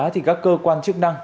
thì các cơ quan chức năng